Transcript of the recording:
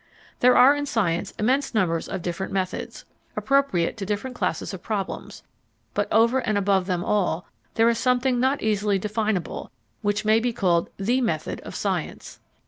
There are in science immense numbers of different methods, appropriate to different classes of problems; but over and above them all, there is something not easily definable, which may be called the method of science.